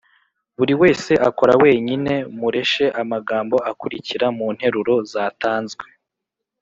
Buri wese akora wenyine, mureshe amagambo akurikira mu nteruro zatanzwe